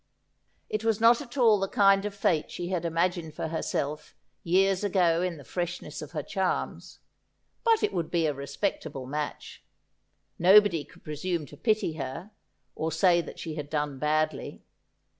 It was not at all the kind of fate she had imagined for herself years ago in the freshness of her charms ; but it would be a reypectable nuitch. Nobody could presume to pity her, ol say that she had done badly.